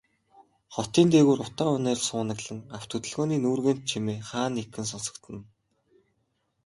Хотын дээгүүр утаа униар суунаглан, авто хөдөлгөөний нүргээнт чимээ хаа нэгхэн сонсогдоно.